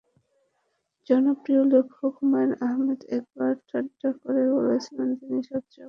জনপ্রিয় লেখক হুমায়ূন আহমেদ একবার ঠাট্টা করে বলেছিলেন, তিনি সবচেয়ে অপছন্দ করেন ডাক্তারদের।